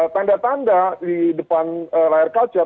tanda tanda di depan layar kaca